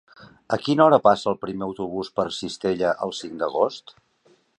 A quina hora passa el primer autobús per Cistella el cinc d'agost?